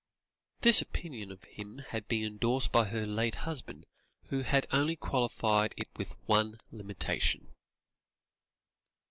This opinion of him had been endorsed by her late husband, who had only qualified it with one limitation.